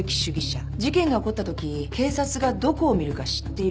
事件が起こったとき警察がどこを見るか知っている人。